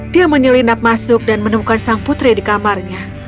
dia menyelinap masuk dan menemukan sang putri di kamarnya